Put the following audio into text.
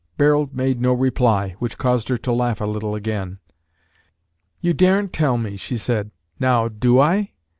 Barold made no reply, which caused her to laugh a little again. "You daren't tell me," she said. "Now, do I?